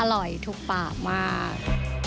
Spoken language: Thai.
อร่อยทุกปากมาก